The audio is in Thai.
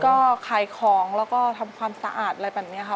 ก็ขายของแล้วก็ทำความสะอาดอะไรแบบนี้ค่ะ